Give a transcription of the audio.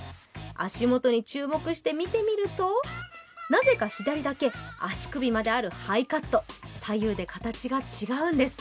足元に注目して見てみるとなぜか左だけ足首まであるハイカット左右で形が違うんです。